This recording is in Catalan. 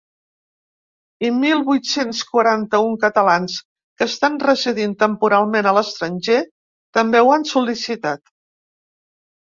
I mil vuit-cents quaranta-un catalans que estan residint temporalment a l’estranger també ho han sol·licitat.